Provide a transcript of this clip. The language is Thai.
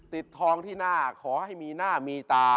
ทองที่หน้าขอให้มีหน้ามีตา